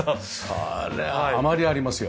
それは余りありますよ。